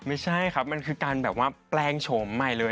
ไม่ใช่ครับมันคือการแบบว่าแปลงโฉมใหม่เลย